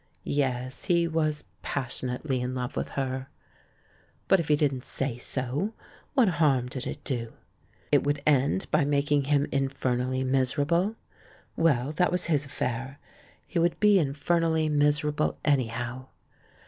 Yes, he was passionately in love with her — but, if he didn't say so, what harm did it do? It would end by making him infernally miserable? Well, that was his affair! He would be infer nally miserable, anyhow